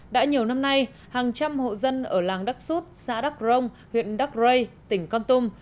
đã nhiều năm nay hàng trăm hộ dân ở làng đắc sút xã đắc rông huyện đắc rây tỉnh con tum